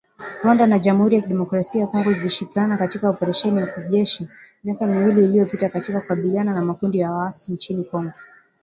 Rwanda na Jamhuri ya kidemokrasia ya Kongo zilishirikiana katika operesheni ya kijeshi miaka miwili iliyopita katika kukabiliana na makundi ya waasi nchini Kongo.